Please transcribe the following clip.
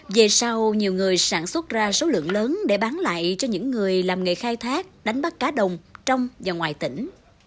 về sau nhiều người sản xuất ra số lượng lớn để bán lại cho những người làm nghề khai thác đánh bắt cá đồng trong và ngoài tỉnh